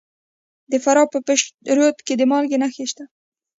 د فراه په پشت رود کې د مالګې نښې شته.